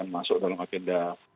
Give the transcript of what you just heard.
masuk dalam agenda